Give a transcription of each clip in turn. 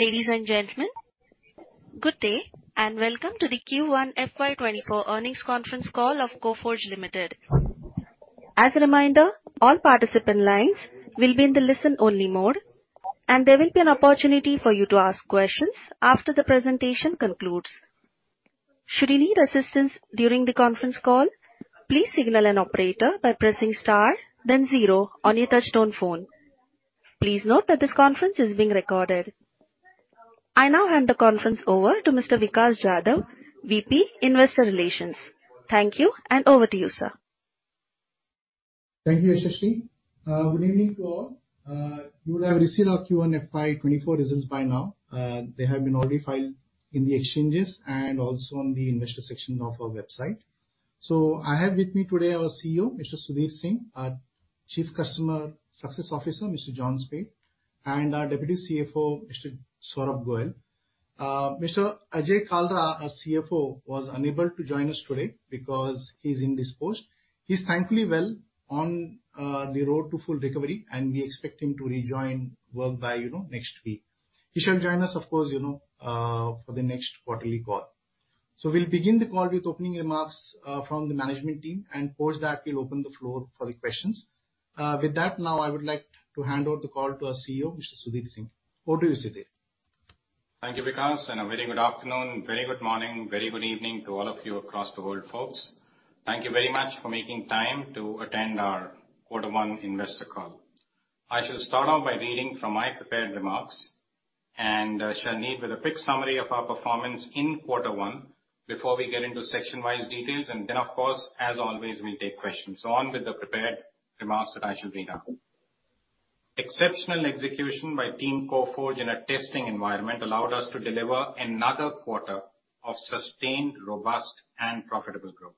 Ladies and gentlemen, good day, and welcome to the Q1 FY 2024 earnings conference call of Coforge Limited. As a reminder, all participant lines will be in the listen-only mode, and there will be an opportunity for you to ask questions after the presentation concludes. Should you need assistance during the conference call, please signal an operator by pressing star, then zero on your touchtone phone. Please note that this conference is being recorded. I now hand the conference over to Mr. Vikas Jadhav, VP, Investor Relations. Thank you, and over to you, sir. Thank you, [inaudible] Good evening to all. You would have received our Q1 FY24 results by now. They have been already filed in the exchanges and also on the investor section of our website. I have with me today our CEO, Mr. Sudhir Singh, our Chief Customer Success Officer, Mr. John Speight, and our Deputy CFO, Mr. Saurabh Goel. Mr. Ajay Kalra, our CFO, was unable to join us today because he's indisposed. He's thankfully well on the road to full recovery, and we expect him to rejoin work by, you know, next week. He shall join us, of course, you know, for the next quarterly call. We'll begin the call with opening remarks from the management team, and post that, we'll open the floor for the questions. With that, now I would like to hand over the call to our CEO, Mr. Sudhir Singh. Over to you, Sudhir. Thank you, Vikas. A very good afternoon, very good morning, very good evening to all of you across the world, folks. Thank you very much for making time to attend our Q1 investor call. I shall start off by reading from my prepared remarks, shall lead with a quick summary of our performance in Q1 before we get into section-wise details, then, of course, as always, we'll take questions. On with the prepared remarks that I shall read out. Exceptional execution by Team Coforge in a testing environment allowed us to deliver another quarter of sustained, robust and profitable growth.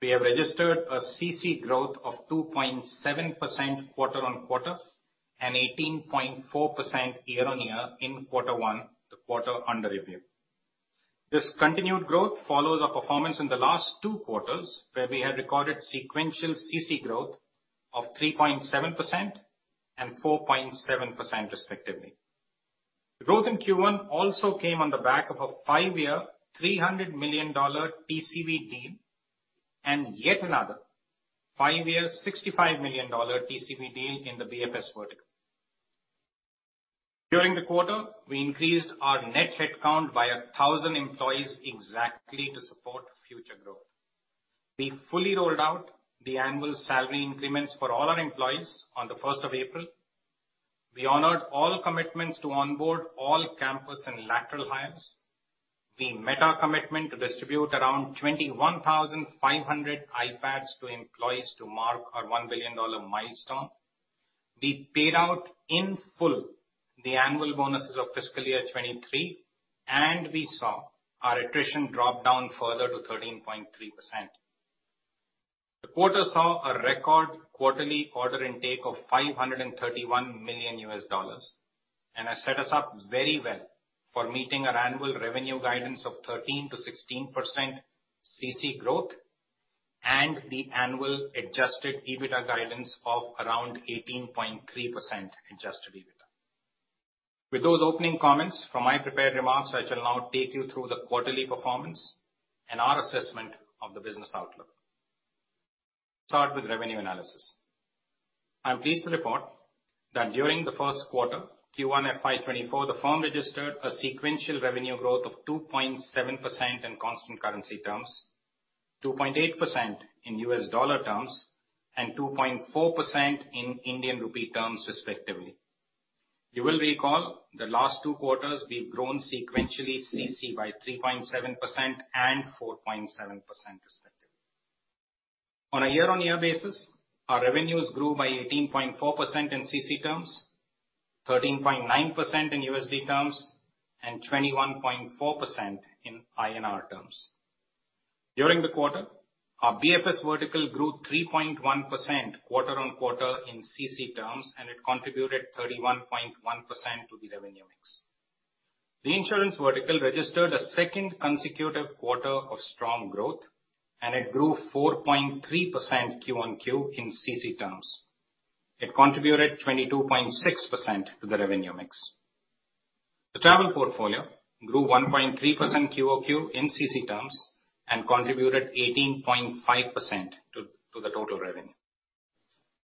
We have registered a CC growth of 2.7% quarter-on-quarter and 18.4% year-on-year in Q1, the quarter under review. This continued growth follows our performance in the last two quarters, where we had recorded sequential CC growth of 3.7% and 4.7%, respectively. Growth in Q1 also came on the back of a 5-year, $300 million TCV deal and yet another 5-year, $65 million TCV deal in the BFS vertical. During the quarter, we increased our net headcount by 1,000 employees exactly to support future growth. We fully rolled out the annual salary increments for all our employees on the 1st of April. We honored all commitments to onboard all campus and lateral hires. We met our commitment to distribute around 21,500 iPads to employees to mark our $1 billion milestone. We paid out in full the annual bonuses of FY23. We saw our attrition drop down further to 13.3%. The quarter saw a record quarterly order intake of $531 million, has set us up very well for meeting our annual revenue guidance of 13%-16% CC growth and the annual Adjusted EBITDA guidance of around 18.3% Adjusted EBITDA. With those opening comments from my prepared remarks, I shall now take you through the quarterly performance and our assessment of the business outlook. Start with revenue analysis. I'm pleased to report that during the Q1, Q1 FY24, the firm registered a sequential revenue growth of 2.7% in constant currency terms, 2.8% in US dollar terms, and 2.4% in Indian rupee terms, respectively. You will recall the last two quarters we've grown sequentially CC by 3.7% and 4.7%, respectively. On a year-on-year basis, our revenues grew by 18.4% in CC terms, 13.9% in USD terms, and 21.4% in INR terms. During the quarter, our BFS vertical grew 3.1% quarter-on-quarter in CC terms, and it contributed 31.1% to the revenue mix. The insurance vertical registered a second consecutive quarter of strong growth, and it grew 4.3% Q on Q in CC terms. It contributed 22.6% to the revenue mix. The travel portfolio grew 1.3% QOQ in CC terms and contributed 18.5% to the total revenue.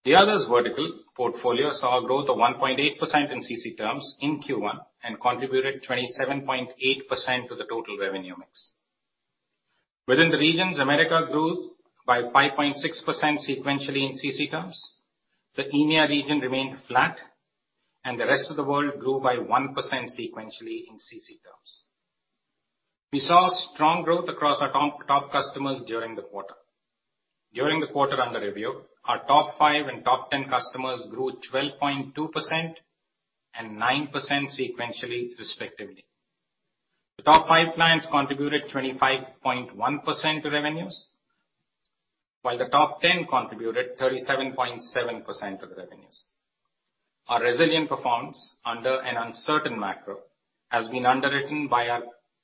The others vertical portfolio saw a growth of 1.8% in CC terms in Q1 and contributed 27.8% to the total revenue mix. Within the regions, America grew by 5.6% sequentially in CC terms, the EMEA region remained flat, and the rest of the world grew by 1% sequentially in CC terms. We saw strong growth across our top customers during the quarter. During the quarter under review, our top five and top ten customers grew 12.2% and 9% sequentially, respectively. The top five clients contributed 25.1% to revenues, while the top ten contributed 37.7% of the revenues. Our resilient performance under an uncertain macro has been underwritten by our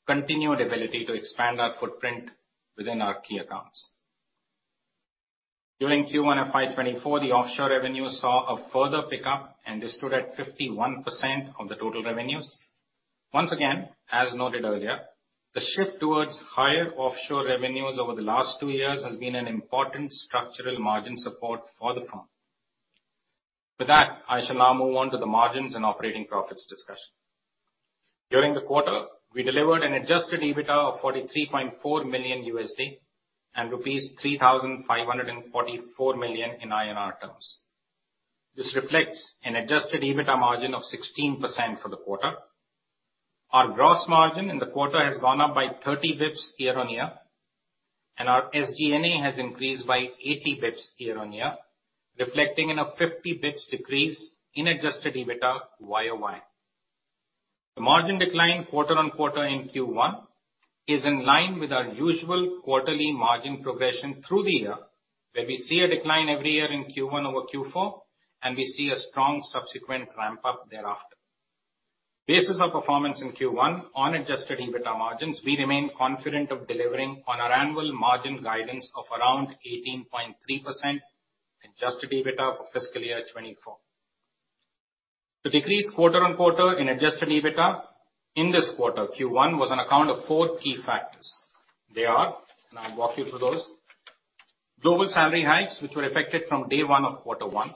continued ability to expand our footprint within our key accounts. During Q1 of FY24, the offshore revenue saw a further pickup and this stood at 51% of the total revenues. Once again, as noted earlier, the shift towards higher offshore revenues over the last 2 years has been an important structural margin support for the firm. With that, I shall now move on to the margins and operating profits discussion. During the quarter, we delivered an Adjusted EBITDA of $43.4 million and rupees 3,544 million. This reflects an Adjusted EBITDA margin of 16% for the quarter. Our gross margin in the quarter has gone up by 30 bps year-over-year, and our SG&A has increased by 80 bps year-over-year, reflecting in a 50 bps decrease in Adjusted EBITDA year-over-year. The margin decline quarter-over-quarter in Q1 is in line with our usual quarterly margin progression through the year, where we see a decline every year in Q1 over Q4, and we see a strong subsequent ramp-up thereafter. Basis of performance in Q1 on Adjusted EBITDA margins, we remain confident of delivering on our annual margin guidance of around 18.3% Adjusted EBITDA for fiscal year 2024. The decrease quarter-on-quarter in Adjusted EBITDA in this quarter, Q1, was on account of four key factors. They are, I'll walk you through those. Global salary hikes, which were affected from day one of Q1.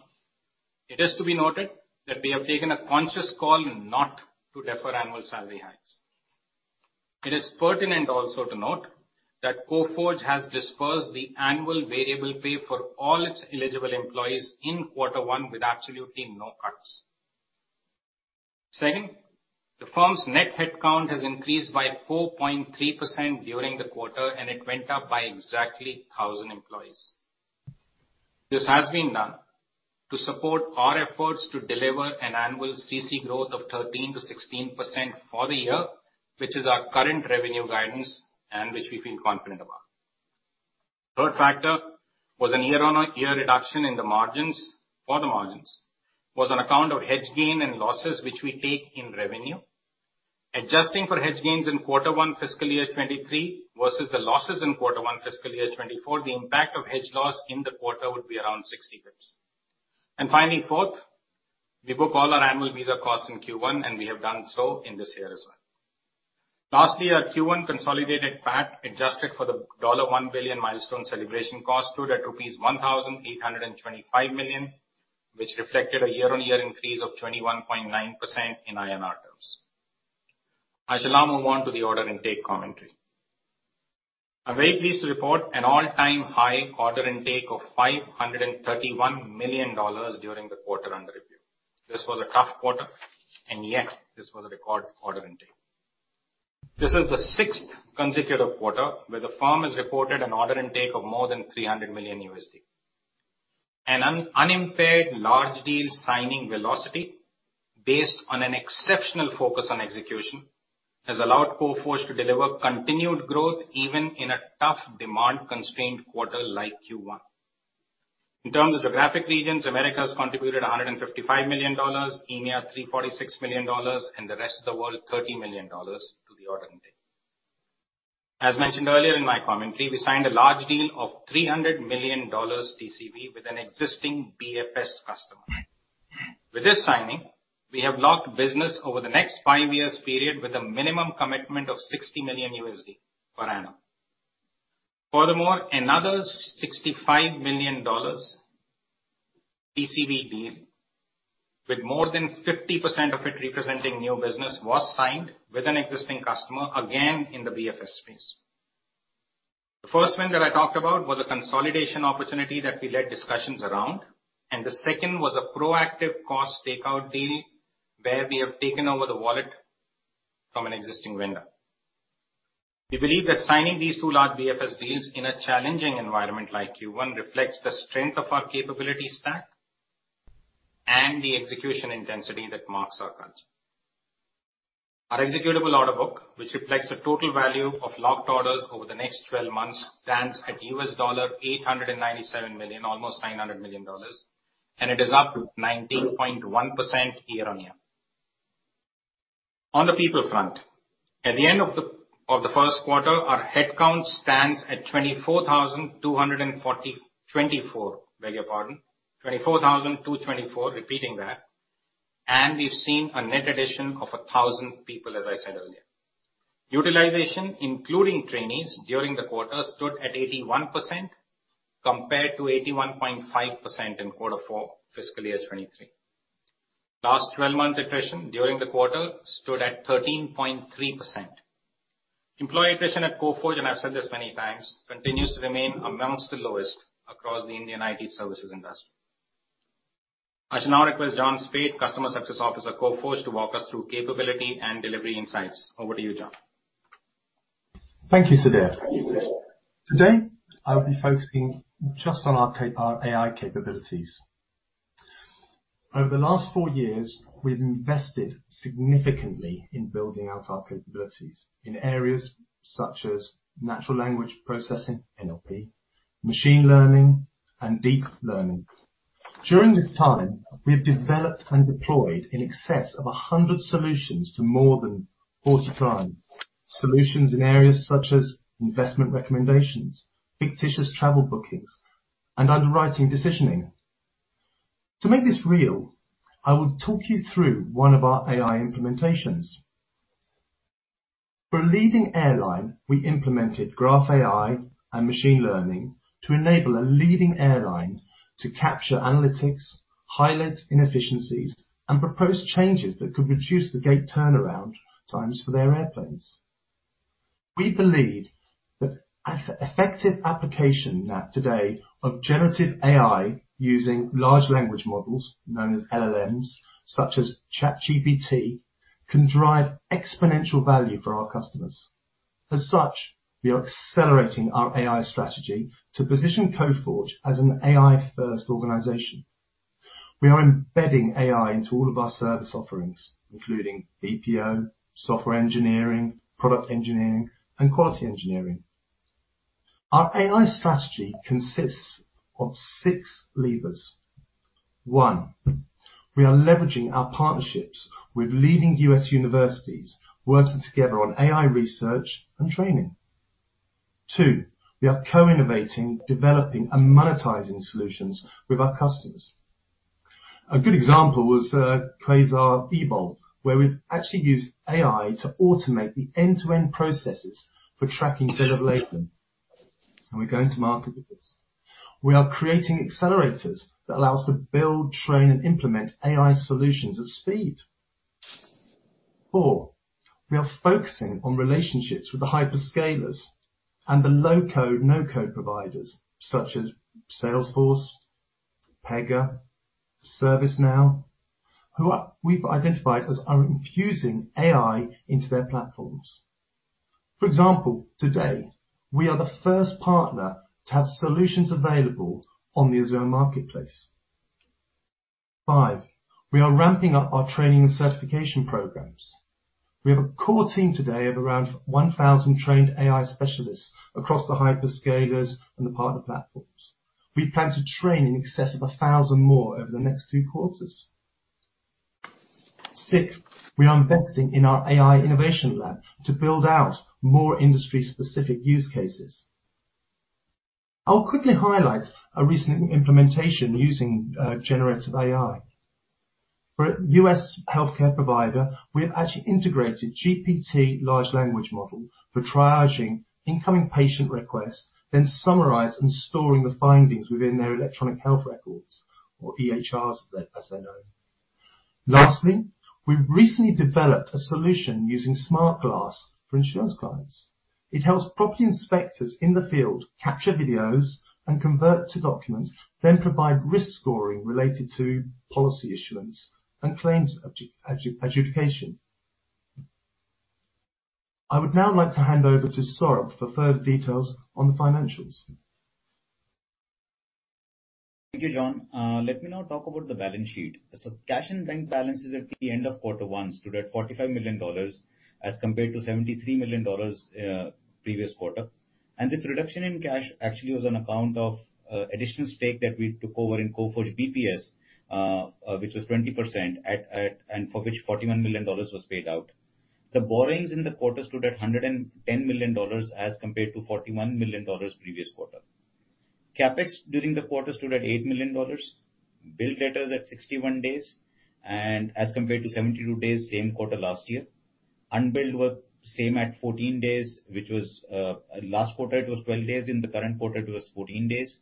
It is to be noted that we have taken a conscious call not to defer annual salary hikes. It is pertinent also to note that Coforge has dispersed the annual variable pay for all its eligible employees in Q1 with absolutely no cuts. Second, the firm's net headcount has increased by 4.3% during the quarter, and it went up by exactly 1,000 employees. This has been done to support our efforts to deliver an annual CC growth of 13%-16% for the year, which is our current revenue guidance and which we feel confident about. Third factor was a year-over-year reduction in the margins. For the margins, was on account of hedge gain and losses, which we take in revenue. Adjusting for hedge gains in Q1, fiscal year 2023 versus the losses in Q1, fiscal year 2024, the impact of hedge loss in the quarter would be around 60 basis points. Finally, fourth, we book all our annual visa costs in Q1, and we have done so in this year as well. Lastly, our Q1 consolidated PAT, adjusted for the $1 billion milestone celebration cost, stood at rupees 1,825 million, which reflected a year-over-year increase of 21.9% in INR terms. I shall now move on to the order intake commentary. I'm very pleased to report an all-time high order intake of $531 million during the quarter under review. This was a tough quarter, and yet this was a record order intake. This is the sixth consecutive quarter where the firm has reported an order intake of more than $300 million. An unimpaired large deal signing velocity based on an exceptional focus on execution, has allowed Coforge to deliver continued growth even in a tough demand-constrained quarter like Q1. In terms of geographic regions, Americas contributed $155 million, EMEA, $346 million, and the rest of the world, $30 million to the order intake. As mentioned earlier in my commentary, we signed a large deal of $300 million TCV with an existing BFS customer. With this signing, we have locked business over the next five years period, with a minimum commitment of $60 million per annum. Another $65 million TCV deal, with more than 50% of it representing new business, was signed with an existing customer, again, in the BFS space. The first one that I talked about was a consolidation opportunity that we led discussions around, the second was a proactive cost takeout deal where we have taken over the wallet from an existing vendor. We believe that signing these two large BFS deals in a challenging environment like Q1 reflects the strength of our capability stack and the execution intensity that marks our culture. Our executable order book, which reflects the total value of locked orders over the next 12 months, stands at $897 million, almost $900 million, and it is up 19.1% year-on-year. On the people front, at the end of the Q1, our headcount stands at 24,224, repeating that, and we've seen a net addition of 1,000 people, as I said earlier. Utilization, including trainees during the quarter, stood at 81%, compared to 81.5% in Q4 FY23. Last 12-month attrition during the quarter stood at 13.3%. Employee attrition at Coforge, and I've said this many times, continues to remain amongst the lowest across the Indian IT services industry. I shall now request John Speight, Chief Customer Success Officer at Coforge, to walk us through capability and delivery insights. Over to you, John. Thank you, Sudhir. Today, I'll be focusing just on our AI capabilities. Over the last 4 years, we've invested significantly in building out our capabilities in areas such as natural language processing, NLP, machine learning, and deep learning. During this time, we have developed and deployed in excess of 100 solutions to more than 40 clients. Solutions in areas such as investment recommendations, fictitious travel bookings, and underwriting decisioning. To make this real, I will talk you through 1 of our AI implementations. For a leading airline, we implemented Graph AI and machine learning to enable a leading airline to capture analytics, highlight inefficiencies, and propose changes that could reduce the gate turnaround times for their airplanes. We believe that effective application now today of generative AI using large language models, known as LLMs, such as ChatGPT, can drive exponential value for our customers. As such, we are accelerating our AI strategy to position Coforge as an AI-first organization. We are embedding AI into all of our service offerings, including BPO, software engineering, product engineering, and quality engineering. Our AI strategy consists of six levers. One, we are leveraging our partnerships with leading U.S. universities, working together on AI research and training. Two, we are co-innovating, developing, and monetizing solutions with our customers. A good example was Quasar eBOL, where we've actually used AI to automate the end-to-end processes for tracking Bill of Lading, and we're going to market with this. We are creating accelerators that allow us to build, train, and implement AI solutions at speed. Four, we are focusing on relationships with the hyperscalers and the low-code, no-code providers such as Salesforce, Pega, ServiceNow, we've identified as are infusing AI into their platforms. For example, today, we are the first partner to have solutions available on the Azure Marketplace. Five, we are ramping up our training and certification programs. We have a core team today of around 1,000 trained AI specialists across the hyperscalers and the partner platforms. We plan to train in excess of 1,000 more over the next 2 quarters. Six, we are investing in our AI innovation lab to build out more industry-specific use cases. I'll quickly highlight a recent implementation using generative AI. For a US healthcare provider, we have actually integrated GPT large language model for triaging incoming patient requests, then summarize and storing the findings within their electronic health records, or EHRs, as they're known. Lastly, we've recently developed a solution using Smart Glass for insurance clients. It helps property inspectors in the field capture videos and convert to documents, then provide risk scoring related to policy issuance and claims adjudication. I would now like to hand over to Saurabh for further details on the financials. Thank you, John. Let me now talk about the balance sheet. Cash and bank balances at the end of Q1 stood at $45 million as compared to $73 million previous quarter. This reduction in cash actually was on account of additional stake that we took over in Coforge BPS, which was 20%, and for which $41 million was paid out. The borrowings in the quarter stood at $110 million as compared to $41 million previous quarter. CapEx during the quarter stood at $8 million. Bill debt is at 61 days, and as compared to 72 days, same quarter last year. Unbilled were same at 14 days. Last quarter, it was 12 days, in the current quarter, it was 14 days.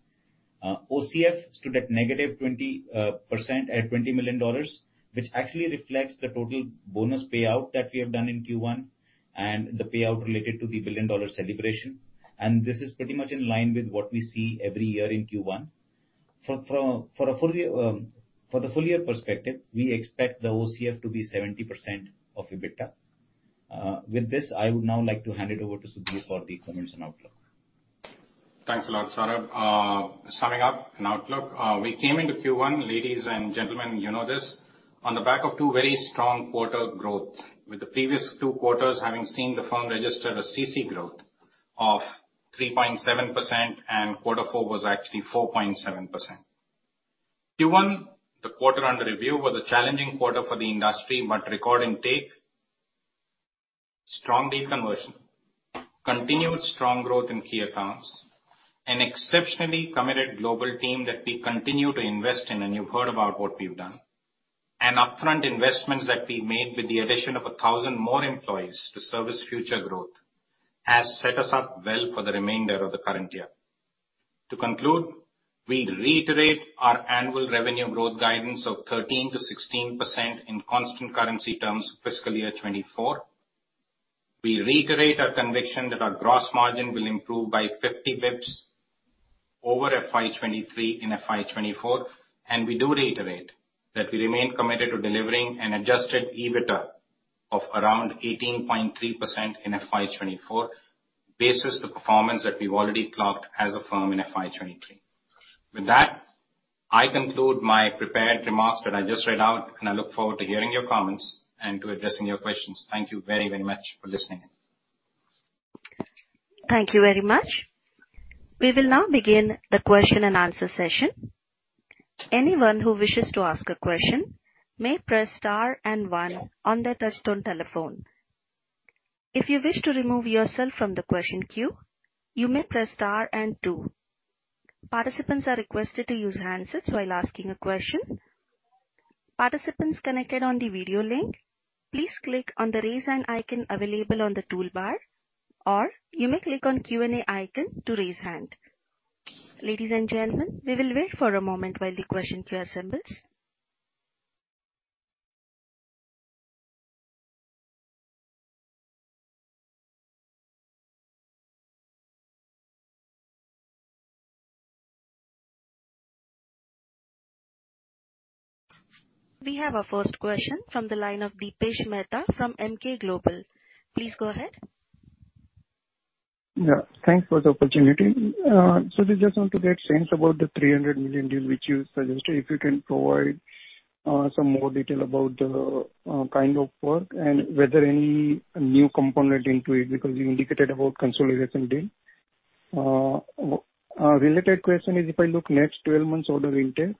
OCF stood at -20%, at $20 million, which actually reflects the total bonus payout that we have done in Q1, and the payout related to the billion-dollar celebration. This is pretty much in line with what we see every year in Q1. For the full year perspective, we expect the OCF to be 70% of EBITDA. With this, I would now like to hand it over to Sudhir for the comments and outlook. Thanks a lot, Saurabh. Summing up and outlook, we came into Q1, ladies and gentlemen, you know this, on the back of 2 very strong quarter growth, with the previous 2 quarters having seen the firm register a CC growth of 3.7%. Q4 was actually 4.7%. Q1, the quarter under review, was a challenging quarter for the industry. Record intake, strong deal conversion, continued strong growth in key accounts, an exceptionally committed global team that we continue to invest in, and you've heard about what we've done. Upfront investments that we made with the addition of 1,000 more employees to service future growth, has set us up well for the remainder of the current year. To conclude, we reiterate our annual revenue growth guidance of 13%-16% in constant currency terms fiscal year 2024. We reiterate our conviction that our gross margin will improve by 50 basis points over FY23 and FY24, and we do reiterate that we remain committed to delivering an Adjusted EBITDA of around 18.3% in FY24, bases the performance that we've already clocked as a firm in FY23. With that, I conclude my prepared remarks that I just read out, and I look forward to hearing your comments and to addressing your questions. Thank you very, very much for listening. Thank you very much. We will now begin the question and answer session. Anyone who wishes to ask a question may press star one on their touch-tone telephone. If you wish to remove yourself from the question queue, you may press star two. Participants are requested to use handsets while asking a question. Participants connected on the video link, please click on the Raise Hand icon available on the toolbar, or you may click on Q&A icon to raise hand. Ladies and gentlemen, we will wait for a moment while the question queue assembles. We have our first question from the line of Dipesh Mehta from Emkay Global. Please go ahead. Thanks for the opportunity. I just want to get sense about the $300 million deal which you suggested. If you can provide some more detail about the kind of work and whether any new component into it, because you indicated about consolidation deal. Related question is, if I look next 12 months order intake,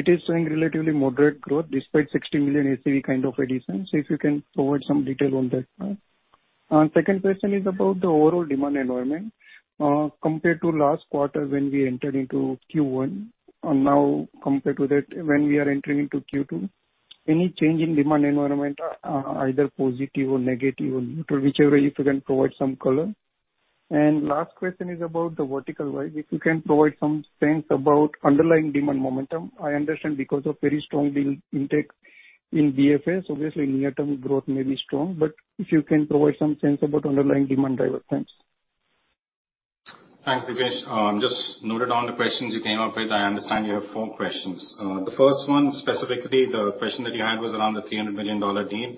it is showing relatively moderate growth despite $60 million ACV kind of addition. If you can provide some detail on that part. Second question is about the overall demand environment. Compared to last quarter when we entered into Q1, and now compared to that when we are entering into Q2, any change in demand environment, either positive or negative or neutral, whichever, if you can provide some color. Last question is about the vertical. If you can provide some sense about underlying demand momentum. I understand because of very strong deal intake in BFS, obviously near-term growth may be strong, but if you can provide some sense about underlying demand driver. Thanks. Thanks, Dipesh. Just noted down the questions you came up with. I understand you have four questions. The first one, specifically, the question that you had was around the $300 million deal.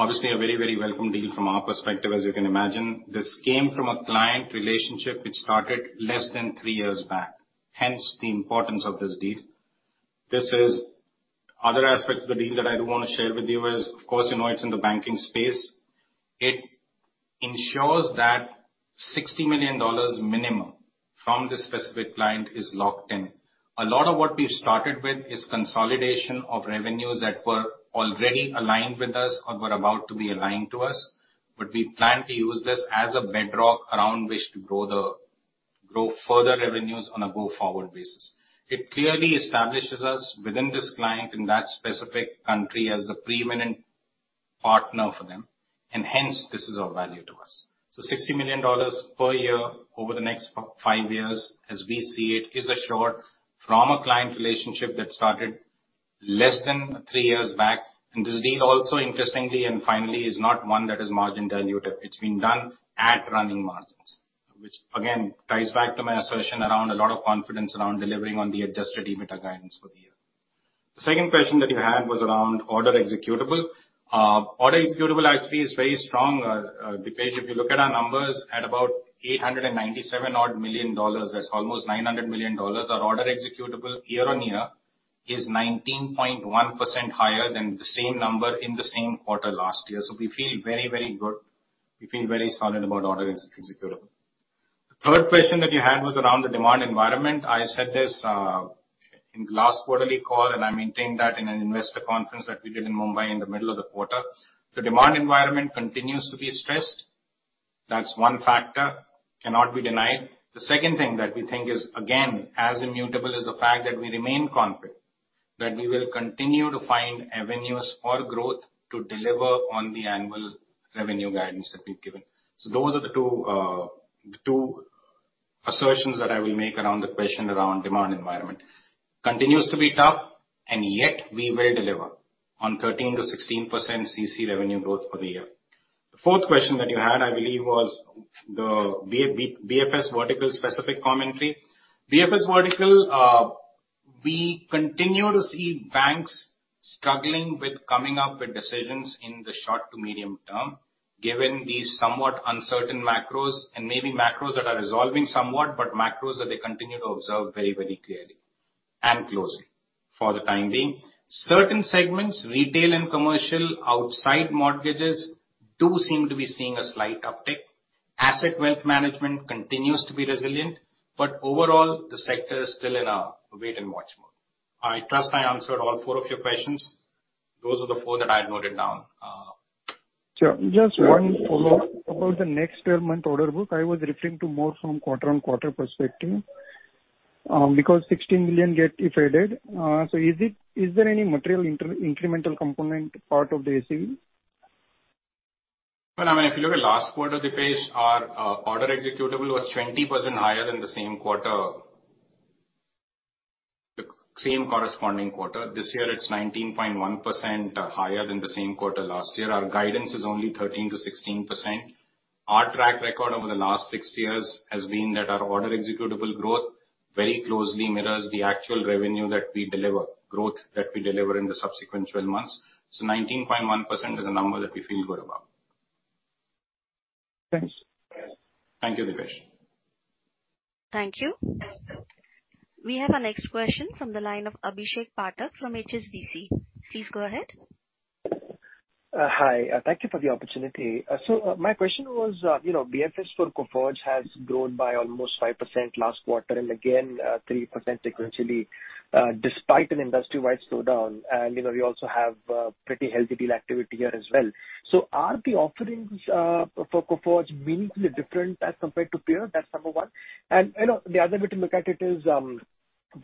Obviously, a very, very welcome deal from our perspective. As you can imagine, this came from a client relationship which started less than 3 years back, hence the importance of this deal. Other aspects of the deal that I do want to share with you is, of course, you know, it's in the banking space. It ensures that $60 million minimum from this specific client is locked in. A lot of what we've started with is consolidation of revenues that were already aligned with us or were about to be aligned to us, but we plan to use this as a bedrock around which to grow further revenues on a go-forward basis. It clearly establishes us within this client in that specific country as the preeminent partner for them, hence this is of value to us. $60 million per year over the next 5 years, as we see it, is a short from a client relationship that started less than 3 years back. This deal also, interestingly and finally, is not one that is margin dilutive. It's been done at running margins, which again ties back to my assertion around a lot of confidence around delivering on the Adjusted EBITDA guidance for the year. The second question that you had was around order executable. Order executable actually is very strong, Dipesh. If you look at our numbers at about $897 million, that's almost $900 million. Our order executable year-on-year is 19.1% higher than the same number in the same quarter last year. We feel very good. We feel very solid about order executable. The third question that you had was around the demand environment. I said this in last quarterly call, and I maintained that in an investor conference that we did in Mumbai in the middle of the quarter. The demand environment continues to be stressed. That's one factor, cannot be denied. The second thing that we think is, again, as immutable as the fact that we remain confident that we will continue to find avenues for growth to deliver on the annual revenue guidance that we've given. Those are the two, the two assertions that I will make around the question around demand environment. Continues to be tough. We will deliver on 13%-16% CC revenue growth for the year. The fourth question that you had, I believe, was the BFS vertical specific commentary. BFS vertical, we continue to see banks struggling with coming up with decisions in the short to medium term, given these somewhat uncertain macros and maybe macros that are resolving somewhat, but macros that they continue to observe very, very clearly and closely for the time being. Certain segments, retail and commercial, outside mortgages, do seem to be seeing a slight uptick. Asset wealth management continues to be resilient, but overall, the sector is still in a wait and watch mode. I trust I answered all four of your questions. Those are the four that I had noted down. Sure. Just one follow-up. About the next term month order book, I was referring to more from quarter-on-quarter perspective, because $16 million get if I did. Is there any material inter-incremental component part of the ACV? Well, I mean, if you look at last quarter, Dipesh, our order executable was 20% higher than the same quarter, the same corresponding quarter. This year, it's 19.1% higher than the same quarter last year. Our guidance is only 13%-16%. Our track record over the last 6 years has been that our order executable growth very closely mirrors the actual revenue that we deliver, growth that we deliver in the subsequent 12 months. 19.1% is a number that we feel good about. Thanks. Thank you, Dipesh. Thank you. We have our next question from the line of Abhishek Pathak from HSBC. Please go ahead. Hi, thank you for the opportunity. My question was, you know, BFS for Coforge has grown by almost 5% last quarter, again, 3% sequentially, despite an industry-wide slowdown. You know, we also have pretty healthy deal activity here as well. Are the offerings for Coforge meaningfully different as compared to peers? That's number one. You know, the other way to look at it is,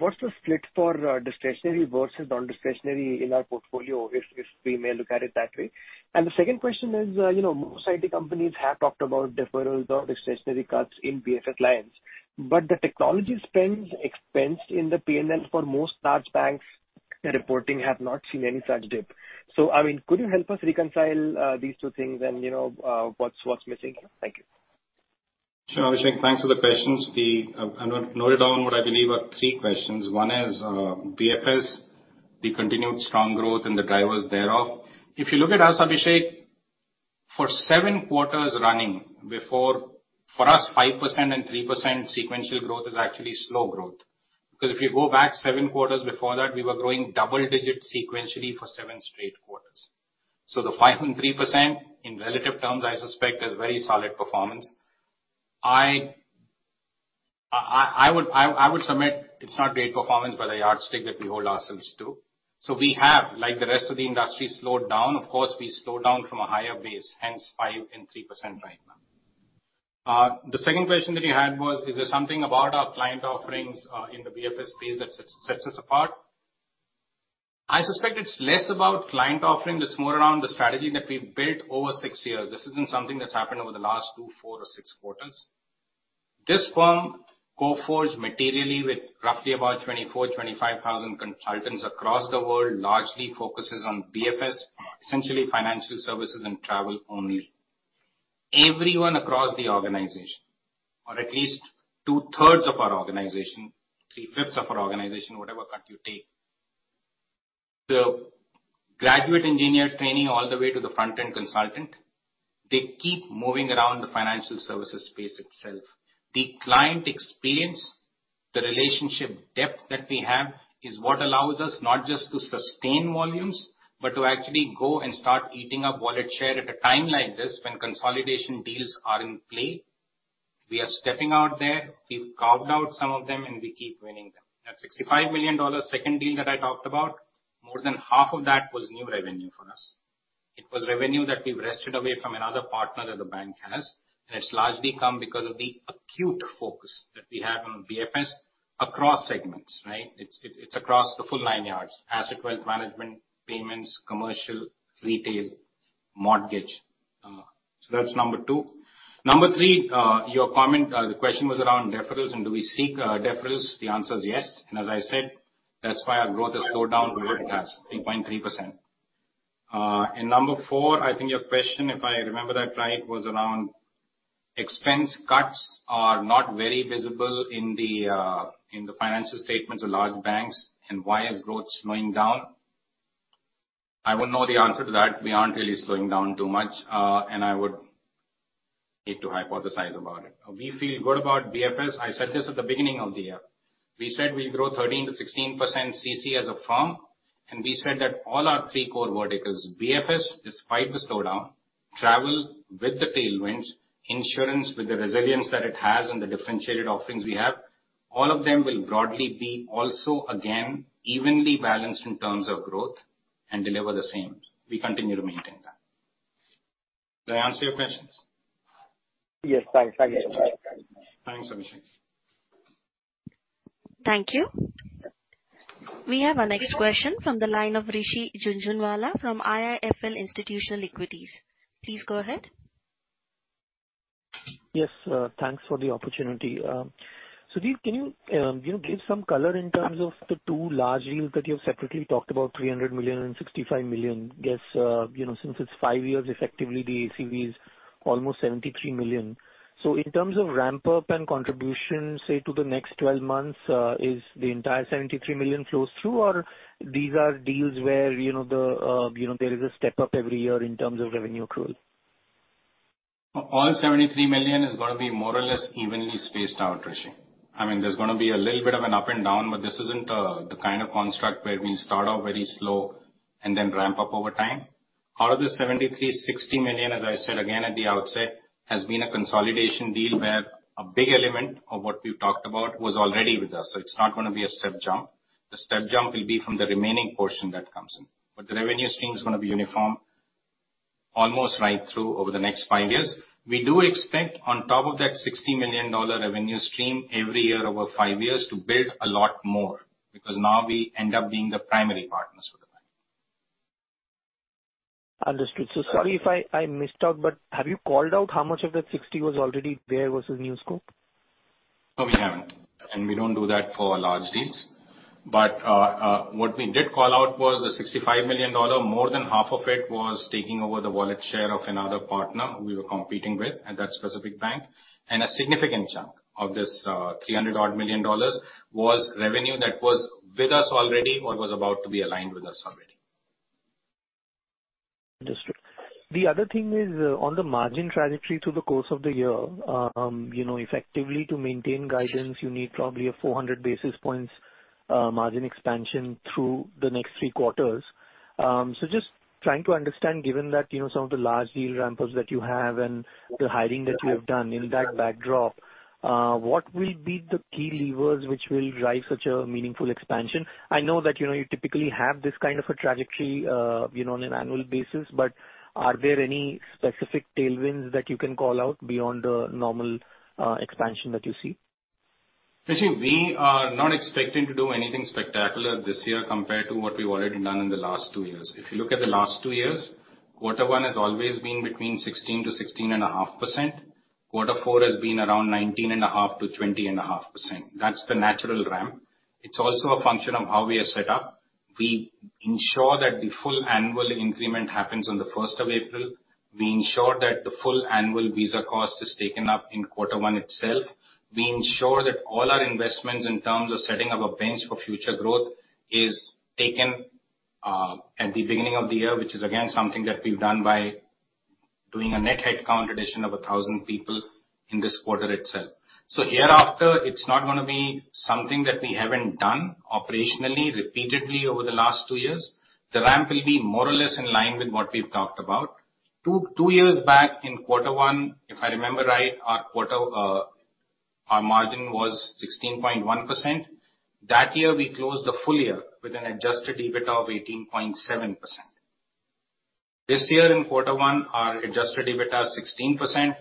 what's the split for discretionary versus non-discretionary in our portfolio, if we may look at it that way? The second question is, you know, most IT companies have talked about deferrals or discretionary cuts in BFS lines, but the technology spends expense in the P&L for most large banks reporting have not seen any such dip. I mean, could you help us reconcile, these two things and, you know, what's missing here? Thank you. Sure, Abhishek, thanks for the questions. The, I noted down what I believe are 3 questions. One is BFS, the continued strong growth and the drivers thereof. If you look at us, Abhishek, for 7 quarters running. For us, 5% and 3% sequential growth is actually slow growth, because if you go back 7 quarters before that, we were growing double digits sequentially for 7 straight quarters. The 5% and 3% in relative terms, I suspect, is very solid performance. I would submit it's not great performance, by the yardstick that we hold ourselves to. We have, like the rest of the industry, slowed down. Of course, we slowed down from a higher base, hence 5% and 3% right now. The second question that you had was, is there something about our client offerings in the BFS space that sets us apart? I suspect it's less about client offerings, it's more around the strategy that we've built over six years. This isn't something that's happened over the last two, four or six quarters. This firm, Coforge, materially with roughly about 24,000-25,000 consultants across the world, largely focuses on BFS, essentially financial services and travel only. Everyone across the organization, or at least two-thirds of our organization, three-fifths of our organization, whatever cut you take, the graduate engineer training all the way to the front-end consultant, they keep moving around the financial services space itself. The client experience, the relationship depth that we have, is what allows us not just to sustain volumes, but to actually go and start eating up wallet share at a time like this when consolidation deals are in play. We are stepping out there, we've carved out some of them, and we keep winning them. That $65 million second deal that I talked about, more than half of that was new revenue for us. It was revenue that we wrested away from another partner that the bank has, it's largely come because of the acute focus that we have on BFS across segments, right? It's across the full nine yards: asset wealth management, payments, commercial, retail, mortgage. So that's number two. Number three, your comment, the question was around deferrals and do we seek deferrals? The answer is yes. As I said, that's why our growth has slowed down relative to that, 3.3%. Number four, I think your question, if I remember that right, was around expense cuts are not very visible in the financial statements of large banks, and why is growth slowing down? I wouldn't know the answer to that. We aren't really slowing down too much, and I would need to hypothesize about it. We feel good about BFS. I said this at the beginning of the year. We said we'll grow 13%-16% CC as a firm, and we said that all our three core verticals, BFS, despite the slowdown, travel with the tailwinds, insurance with the resilience that it has and the differentiated offerings we have, all of them will broadly be also again, evenly balanced in terms of growth and deliver the same. We continue to maintain that. Did I answer your questions? Yes, thanks. Thank you. Thanks, Abhishek. Thank you. We have our next question from the line of Rishi Jhunjhunwala from IIFL Institutional Equities. Please go ahead. Yes, thanks for the opportunity. Can you know, give some color in terms of the two large deals that you have separately talked about, $300 million and $65 million? Guess, you know, since it's 5 years, effectively, the ACV is almost $73 million. In terms of ramp-up and contribution, say, to the next 12 months, is the entire $73 million flows through, or these are deals where, you know, the, you know, there is a step up every year in terms of revenue accrual? All $73 million is going to be more or less evenly spaced out, Rishi. I mean, there's going to be a little bit of an up and down. This isn't the kind of construct where we start off very slow and then ramp up over time. Out of the $73 million, $60 million, as I said again at the outset, has been a consolidation deal where a big element of what we've talked about was already with us, so it's not going to be a step jump. The step jump will be from the remaining portion that comes in. The revenue stream is going to be uniform almost right through over the next five years. We do expect on top of that $60 million revenue stream every year over five years to build a lot more, now we end up being the primary partners with the bank. Understood. Sorry if I missed out, but have you called out how much of that 60 was already there versus new scope? No, we haven't, and we don't do that for large deals. What we did call out was the $65 million, more than half of it was taking over the wallet share of another partner who we were competing with at that specific bank. A significant chunk of this, $300 odd million was revenue that was with us already or was about to be aligned with us already. Understood. The other thing is, on the margin trajectory through the course of the year, you know, effectively to maintain guidance, you need probably a 400 basis points margin expansion through the next three quarters. Just trying to understand, given that, you know, some of the large deal ramp-ups that you have and the hiring that you have done in that backdrop, what will be the key levers which will drive such a meaningful expansion? I know that, you know, you typically have this kind of a trajectory, you know, on an annual basis, but are there any specific tailwinds that you can call out beyond the normal expansion that you see? Rishi, we are not expecting to do anything spectacular this year compared to what we've already done in the last two years. If you look at the last two years, Q1 has always been between 16%-16.5%. Q4 has been around 19.5%-20.5%. That's the natural ramp. It's also a function of how we are set up. We ensure that the full annual increment happens on the first of April. We ensure that the full annual visa cost is taken up in Q1 itself. We ensure that all our investments in terms of setting up a bench for future growth is taken at the beginning of the year, which is, again, something that we've done by doing a net headcount addition of 1,000 people in this quarter itself. Hereafter, it's not gonna be something that we haven't done operationally, repeatedly over the last two years. The ramp will be more or less in line with what we've talked about. Two years back in Q1, if I remember right, our quarter, our margin was 16.1%. That year, we closed the full year with an Adjusted EBITDA of 18.7%. This year, in Q1, our Adjusted EBITDA is 16%.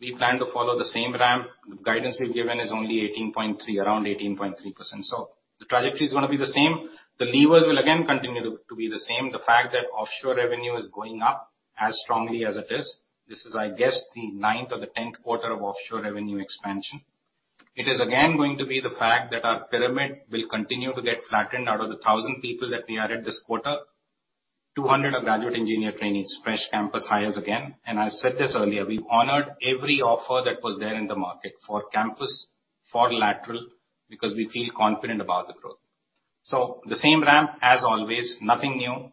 We plan to follow the same ramp. The guidance we've given is only 18.3%, around 18.3%. The trajectory is gonna be the same. The levers will again continue to be the same. The fact that offshore revenue is going up as strongly as it is, this is, I guess, the ninth or the tenth quarter of offshore revenue expansion. It is again going to be the fact that our pyramid will continue to get flattened. Out of the 1,000 people that we added this quarter, 200 are graduate engineer trainees, fresh campus hires again. I said this earlier, we honored every offer that was there in the market for campus, for lateral, because we feel confident about the growth. The same ramp as always, nothing new.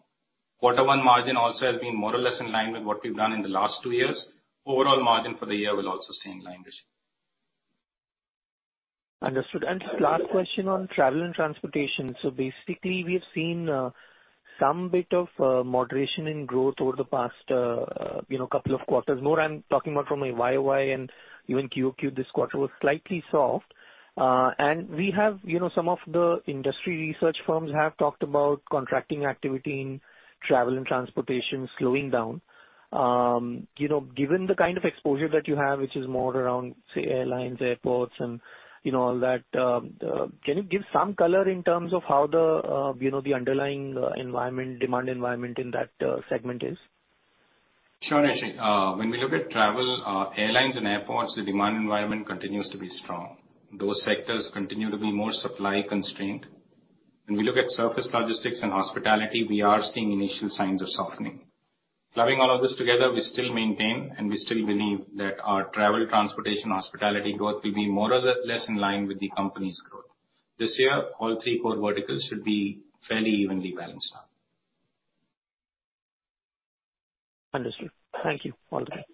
Quarter 1 margin also has been more or less in line with what we've done in the last 2 years. Overall margin for the year will also stay in line, Rishi. Understood. Last question on travel and transportation. Basically, we have seen some bit of moderation in growth over the past, you know, two quarters. More I'm talking about from a YOY and even QOQ, this quarter was slightly soft. We have, you know, some of the industry research firms have talked about contracting activity in travel and transportation slowing down. You know, given the kind of exposure that you have, which is more around, say, airlines, airports and, you know, all that, can you give some color in terms of how the, you know, the underlying environment, demand environment in that segment is? Sure, Rishi. When we look at travel, airlines and airports, the demand environment continues to be strong. Those sectors continue to be more supply constrained. When we look at surface logistics and hospitality, we are seeing initial signs of softening. Clubbing all of this together, we still maintain, and we still believe that our travel, transportation, hospitality growth will be more or less in line with the company's growth. This year, all three core verticals should be fairly evenly balanced out. Understood. Thank you. All the best.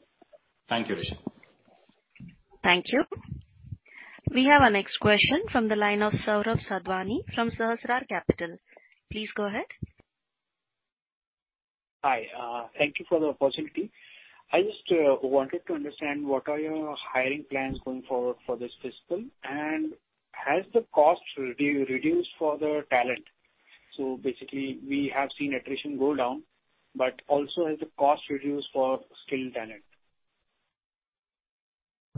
Thank you, Rishi. Thank you. We have our next question from the line of Saurabh Sadhwani from Sahasrar Capital. Please go ahead. Hi, thank you for the opportunity. I just wanted to understand, what are your hiring plans going forward for this fiscal? Has the cost reduced for the talent? Basically, we have seen attrition go down, but also has the cost reduced for skilled talent?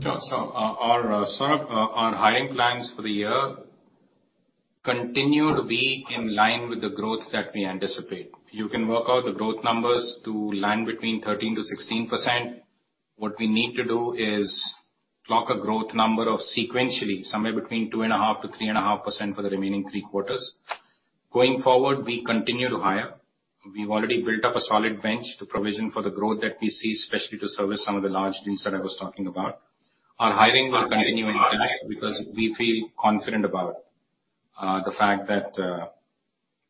Sure. Our hiring plans for the year continue to be in line with the growth that we anticipate. You can work out the growth numbers to land between 13%-16%. What we need to do is clock a growth number of sequentially, somewhere between 2.5%-3.5% for the remaining three quarters. Going forward, we continue to hire. We've already built up a solid bench to provision for the growth that we see, especially to service some of the large deals that I was talking about. Our hiring will continue in time, because we feel confident about the fact that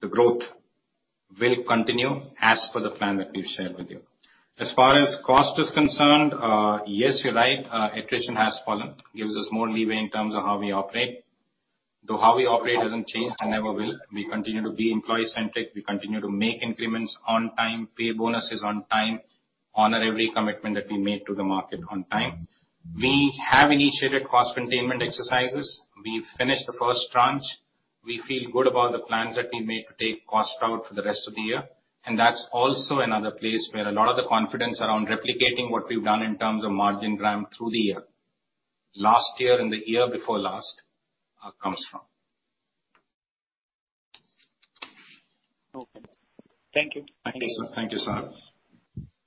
the growth will continue as per the plan that we've shared with you. As far as cost is concerned, yes, you're right, attrition has fallen, gives us more leeway in terms of how we operate, though how we operate hasn't changed and never will. We continue to be employee-centric. We continue to make increments on time, pay bonuses on time, honor every commitment that we make to the market on time. We have initiated cost containment exercises. We've finished the first tranche. We feel good about the plans that we make to take cost out for the rest of the year. That's also another place where a lot of the confidence around replicating what we've done in terms of margin ramp through the year, last year and the year before last, comes from. Okay. Thank you. Thank you, sir. Thank you, Saurabh.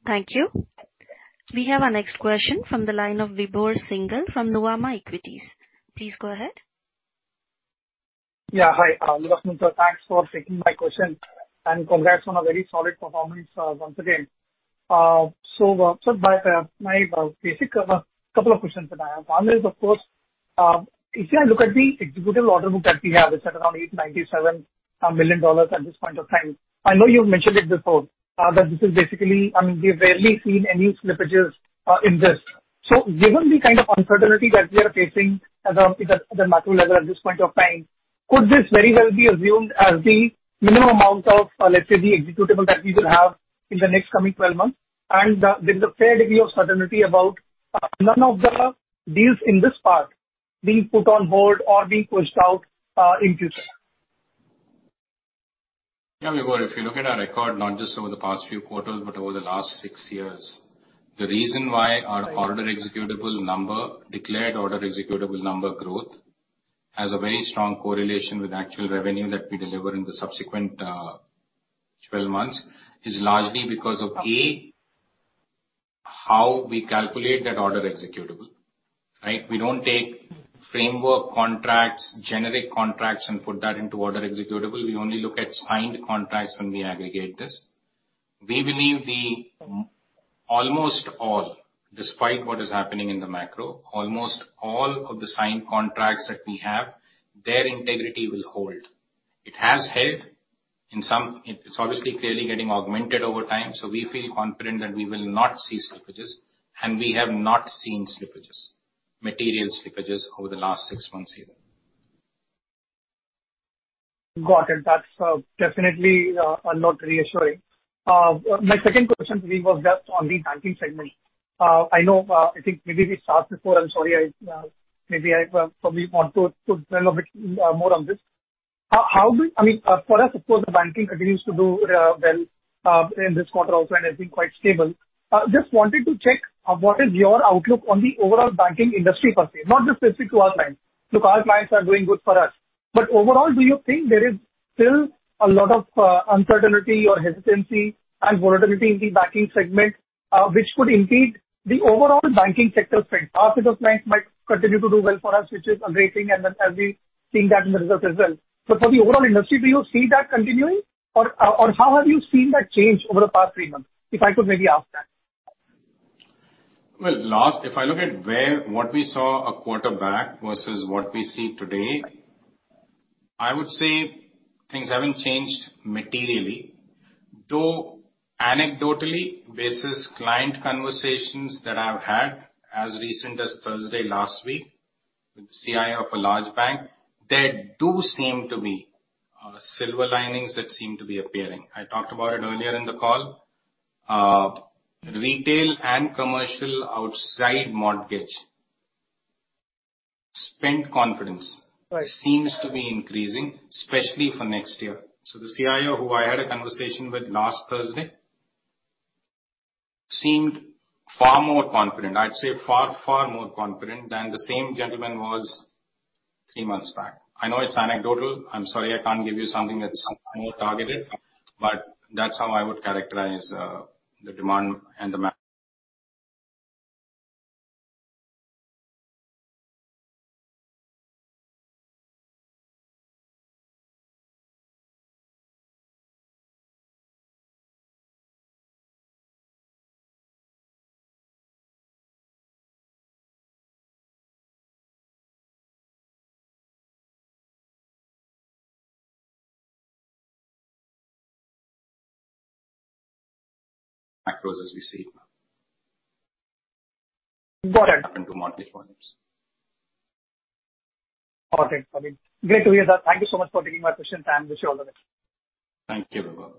Thank you. We have our next question from the line of Vibhor Singhal from Nomura Equities. Please go ahead. Hi, good afternoon, sir. Thanks for taking my question, and congrats on a very solid performance once again. My basic couple of questions that I have. One is, of course, if you look at the executable order book that we have, it's at around $8.97 million at this point of time. I know you've mentioned it before, that this is basically, I mean, we've rarely seen any slippages in this. Given the kind of uncertainty that we are facing at a macro level at this point of time, could this very well be assumed as the minimum amount of, let's say, the executable that we will have in the next coming 12 months? With a fair degree of certainty about none of the deals in this part being put on hold or being pushed out in future. Vibhor, if you look at our record, not just over the past few quarters, but over the last six years, the reason why our order executable number, declared order executable number growth, has a very strong correlation with actual revenue that we deliver in the subsequent, 12 months, is largely because of, A, how we calculate that order executable, right? We don't take framework contracts, generic contracts, and put that into order executable. We only look at signed contracts when we aggregate this. We believe the, almost all, despite what is happening in the macro, almost all of the signed contracts that we have, their integrity will hold. It has held in some. It's obviously clearly getting augmented over time, so we feel confident that we will not see slippages, and we have not seen slippages, material slippages, over the last 6 months even. Got it. That's definitely a lot reassuring. My second question to me was just on the banking segment. I know, I think maybe we talked before. I'm sorry, I maybe I probably want to tell a bit more on this. I mean, for us, of course, the banking continues to do well in this quarter also, and has been quite stable. Just wanted to check what is your outlook on the overall banking industry per se, not just specific to our clients. Look, our clients are doing good for us, but overall, do you think there is still a lot of uncertainty or hesitancy and volatility in the banking segment, which could impede the overall banking sector spend? Our set of clients might continue to do well for us, which is a great thing, and then as we've seen that in the results as well. For the overall industry, do you see that continuing? How have you seen that change over the past three months, if I could maybe ask that? Well, last, if I look at where, what we saw a quarter back versus what we see today, I would say things haven't changed materially, though anecdotally, basis client conversations that I've had as recent as Thursday last week, with the CIO of a large bank, there do seem to be silver linings that seem to be appearing. I talked about it earlier in the call. Retail and commercial outside mortgage spend confidence-. Right. seems to be increasing, especially for next year. The CIO, who I had a conversation with last Thursday, seemed far more confident. I'd say far, far more confident than the same gentleman was three months back. I know it's anecdotal. I'm sorry, I can't give you something that's more targeted, but that's how I would characterize the demand and the macros as we see it now. Got it. Happen to mortgage markets. Got it. I mean, great to hear that. Thank you so much for taking my questions. I wish you all the best. Thank you, Vibhor.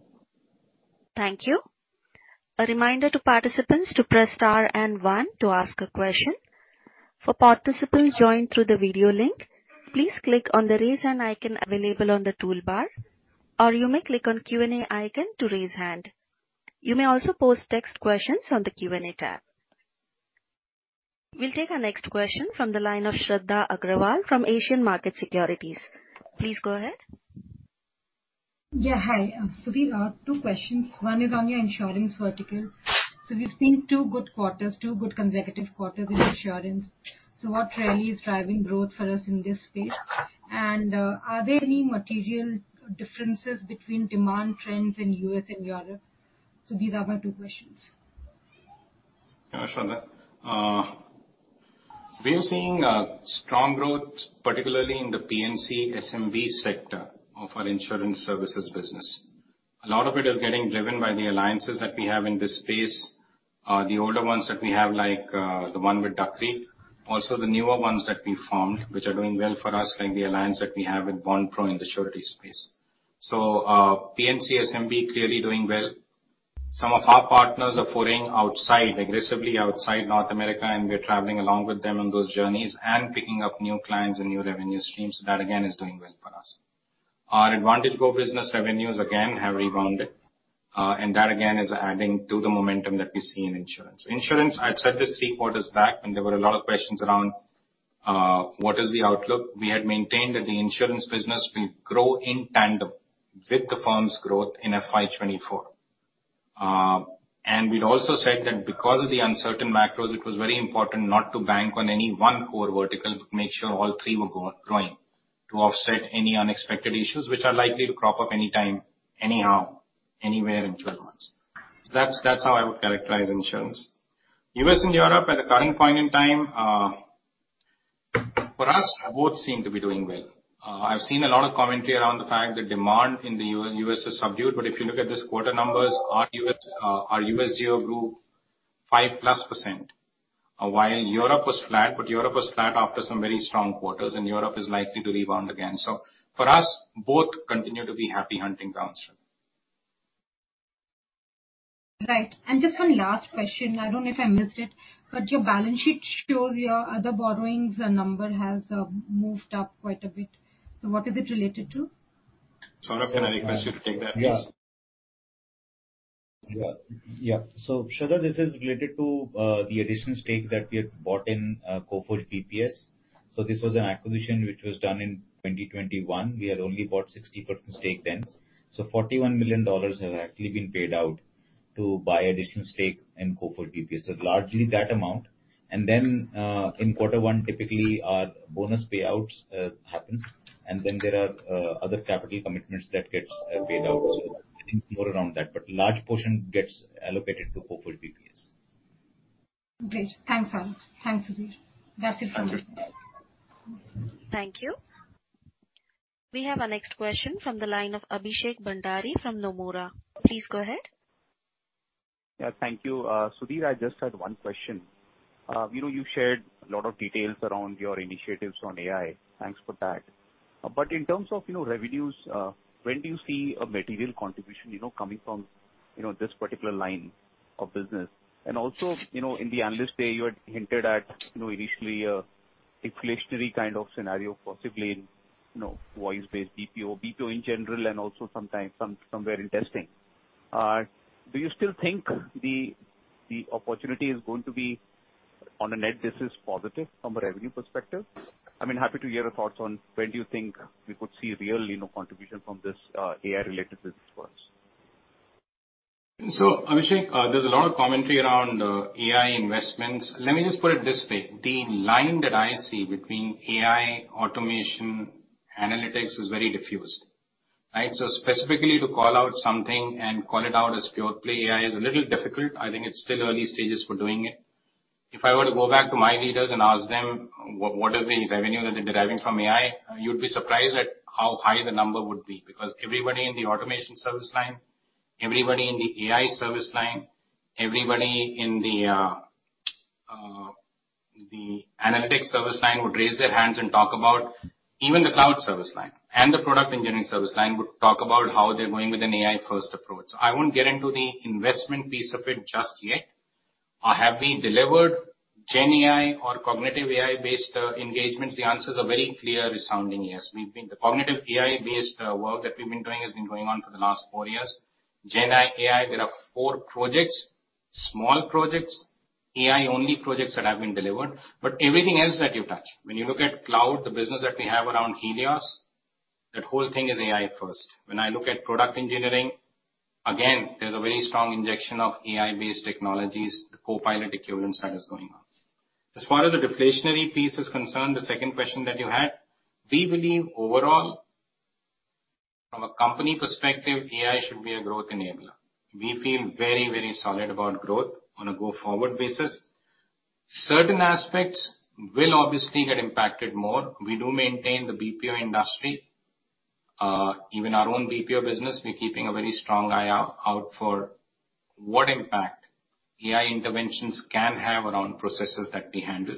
Thank you. A reminder to participants to press Star and One to ask a question. For participants joined through the video link, please click on the Raise Hand icon available on the toolbar, or you may click on Q&A icon to raise hand. You may also post text questions on the Q&A tab. We'll take our next question from the line of Shradha Agrawal from Asian Market Securities. Please go ahead. Yeah, hi. We have two questions. One is on your insurance vertical. We've seen two good quarters, two good consecutive quarters in insurance. What really is driving growth for us in this space? Are there any material differences between demand trends in U.S. and Europe? These are my two questions. Shradha, we are seeing a strong growth, particularly in the P&C SMB sector of our insurance services business. A lot of it is getting driven by the alliances that we have in this space. The older ones that we have, like the one with Duck Creek, also the newer ones that we formed, which are doing well for us, like the alliance that we have with Bond-Pro in the surety space. P&C SMB clearly doing well. Some of our partners are foraying outside, aggressively outside North America, and we are traveling along with them on those journeys and picking up new clients and new revenue streams. That again, is doing well for us. Our AdvantageGo business revenues again have rebounded, and that again, is adding to the momentum that we see in insurance. Insurance, I'd said this three quarters back, and there were a lot of questions around, what is the outlook? We had maintained that the insurance business will grow in tandem with the firm's growth in FY 2024. We'd also said that because of the uncertain macros, it was very important not to bank on any one core vertical, but make sure all three were growing, to offset any unexpected issues which are likely to crop up anytime, anyhow, anywhere in 12 months. That's, that's how I would characterize insurance. US and Europe at the current point in time, for us, both seem to be doing well. I've seen a lot of commentary around the fact that demand in the US is subdued, but if you look at this quarter numbers, our US, our US geo grew 5+%. While Europe was flat, but Europe was flat after some very strong quarters, and Europe is likely to rebound again. For us, both continue to be happy hunting grounds. Right. Just one last question. I don't know if I missed it, but your balance sheet shows your other borrowings, the number has moved up quite a bit. What is it related to? Saurabh, can I request you to take that, please? Yeah. Yeah, Sharda, this is related to the additional stake that we had bought in Coforge BPS. This was an acquisition which was done in 2021. We had only bought 60% stake then. $41 million have actually been paid out to buy additional stake in Coforge BPS. Largely that amount. Then, in Q1, typically, our bonus payouts happens, and then there are other capital commitments that gets paid out. I think more around that, but large portion gets allocated to Coforge BPS. Great. Thanks, Saurav. Thanks, Sudhir. That's it from me. Thank you. We have our next question from the line of Abhishek Bhandari from Nomura. Please go ahead. Yeah, thank you. Sudhir, I just had one question. you know, you shared a lot of details around your initiatives on AI. Thanks for that. In terms of, you know, revenues, when do you see a material contribution, you know, coming from, you know, this particular line of business? Also, you know, in the analyst day, you had hinted at, you know, initially, a deflationary kind of scenario, possibly in, you know, voice-based BPO in general, and also sometimes somewhere in testing. Do you still think the opportunity is going to be on a net basis positive from a revenue perspective? I mean, happy to hear your thoughts on when do you think we could see real, you know, contribution from this AI-related business for us. Abhishek, there's a lot of commentary around AI investments. Let me just put it this way: the line that I see between AI, automation, analytics is very diffused, right? Specifically to call out something and call it out as pure play AI is a little difficult. I think it's still early stages for doing it. If I were to go back to my leaders and ask them what is the revenue that they're deriving from AI, you'd be surprised at how high the number would be. Everybody in the automation service line, everybody in the AI service line, everybody in the analytics service line would raise their hands and talk about... Even the cloud service line and the product engineering service line, would talk about how they're going with an AI-first approach. I won't get into the investment piece of it just yet. Have we delivered GenAI or cognitive AI-based engagements? The answers are very clear, resounding yes. The cognitive AI-based work that we've been doing has been going on for the last four years. GenAI, we have four projects, small projects, AI-only projects that have been delivered. Everything else that you touch, when you look at cloud, the business that we have around Helios, that whole thing is AI first. When I look at product engineering, again, there's a very strong injection of AI-based technologies. The Copilot equivalent side is going on. As far as the deflationary piece is concerned, the second question that you had, we believe overall, from a company perspective, AI should be a growth enabler. We feel very solid about growth on a go-forward basis. Certain aspects will obviously get impacted more. We do maintain the BPO industry, even our own BPO business, we're keeping a very strong eye out for what impact AI interventions can have around processes that we handle.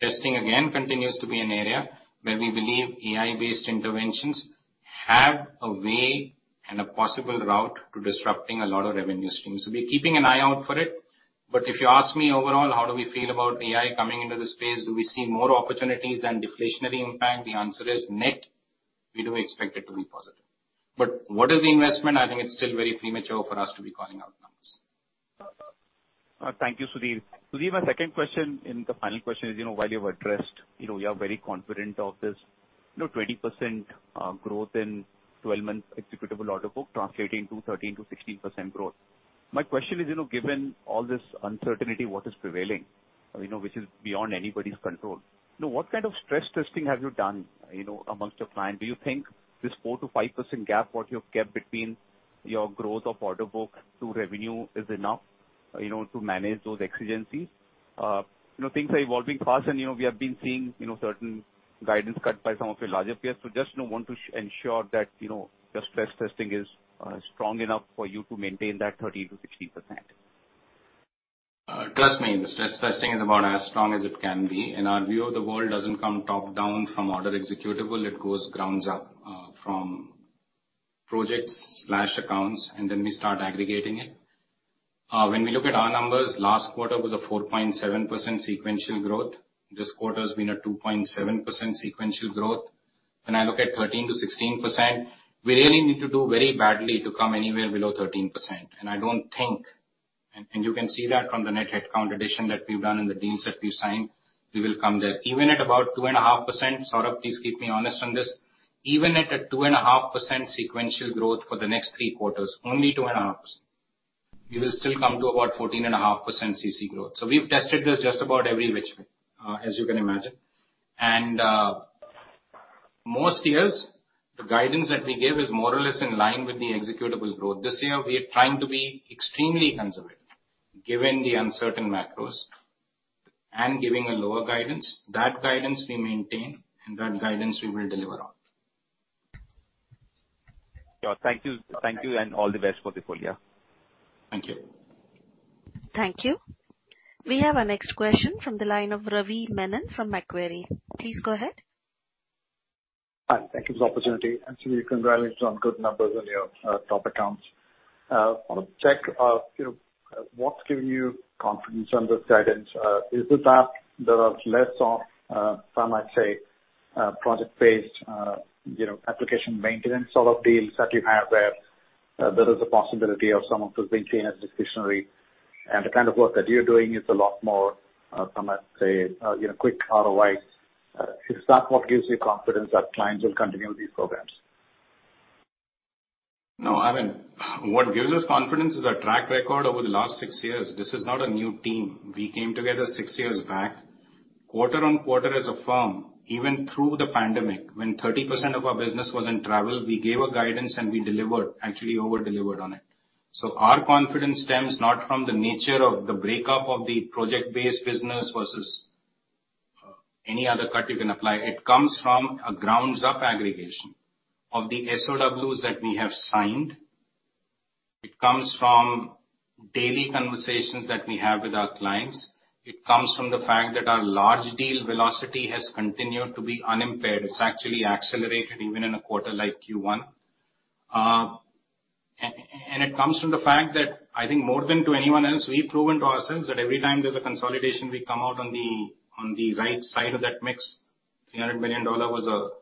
Testing, again, continues to be an area where we believe AI-based interventions have a way and a possible route to disrupting a lot of revenue streams. We're keeping an eye out for it. If you ask me overall, how do we feel about AI coming into the space? Do we see more opportunities than deflationary impact? The answer is net, we do expect it to be positive. What is the investment? I think it's still very premature for us to be calling out numbers. Thank you, Sudhir. Sudhir, my second question and the final question is, you know, while you have addressed, you know, you are very confident of this, you know, 20% growth in 12-month executable order book translating to 13%-16% growth. My question is, you know, given all this uncertainty, what is prevailing, you know, which is beyond anybody's control, you know, what kind of stress testing have you done, you know, amongst your client? Do you think this 4%-5% gap, what you've kept between your growth of order book to revenue is enough, you know, to manage those exigencies? You know, things are evolving fast, and, you know, we have been seeing, you know, certain guidance cut by some of your larger peers. Just, you know, want to ensure that, you know, your stress testing is strong enough for you to maintain that 13%-16%. Trust me, the stress testing is about as strong as it can be, our view of the world doesn't come top-down from order executable. It goes grounds up from projects slash accounts, and then we start aggregating it. When we look at our numbers, last quarter was a 4.7% sequential growth. This quarter's been a 2.7% sequential growth. When I look at 13%-16%, we really need to do very badly to come anywhere below 13%. I don't think, and you can see that from the net head count addition that we've done and the deals that we've signed, we will come there. Even at about 2.5%, Saurabh, please keep me honest on this. Even at a 2.5% sequential growth for the next three quarters, only 2.5%, we will still come to about 14.5% CC growth. We've tested this just about every which way, as you can imagine. Most years, the guidance that we give is more or less in line with the executable growth. This year, we are trying to be extremely conservative, given the uncertain macros, and giving a lower guidance. That guidance we maintain, and that guidance we will deliver on. Sure. Thank you. Thank you, and all the best for the full year. Thank you. Thank you. We have our next question from the line of Ravi Menon from Macquarie. Please go ahead. Hi, thank you for the opportunity. We congratulate you on good numbers on your top accounts. I want to check, you know, what's giving you confidence on this guidance? Is it that there are less of some might say, project-based, you know, application maintenance sort of deals that you have where there is a possibility of some of those being seen as discretionary, and the kind of work that you're doing is a lot more, some might say, you know, quick ROI. Is that what gives you confidence that clients will continue with these programs? No, I mean, what gives us confidence is our track record over the last six years. This is not a new team. We came together six years back. Quarter on quarter as a firm, even through the pandemic, when 30% of our business was in travel, we gave a guidance and we delivered, actually over-delivered on it. Our confidence stems not from the nature of the breakup of the project-based business versus any other cut you can apply. It comes from a grounds-up aggregation of the SOWs that we have signed. It comes from daily conversations that we have with our clients. It comes from the fact that our large deal velocity has continued to be unimpaired. It's actually accelerated even in a quarter like Q1. It comes from the fact that I think more than to anyone else, we've proven to ourselves that every time there's a consolidation, we come out on the right side of that mix. INR 300 million was a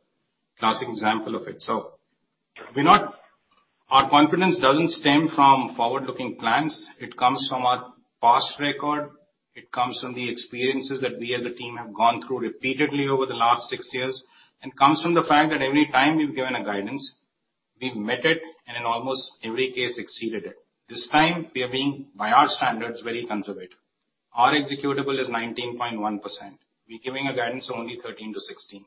classic example of it. Our confidence doesn't stem from forward-looking plans. It comes from our past record. It comes from the experiences that we as a team have gone through repeatedly over the last six years, and comes from the fact that every time we've given a guidance, we've met it, and in almost every case, exceeded it. This time, we have been, by our standards, very conservative. Our executable is 19.1%. We're giving a guidance only 13%-16%.